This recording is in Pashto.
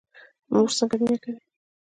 مور څنګه مینه کوي؟